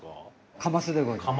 カマスでございます。